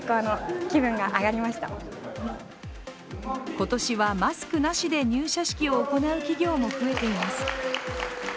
今年はマスクなしで入社式を行う企業も増えています。